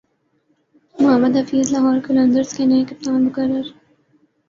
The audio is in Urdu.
محمد حفیظ لاہور قلندرز کے نئے کپتان مقرر